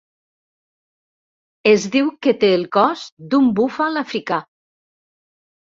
Es diu que té el cos d'un búfal africà.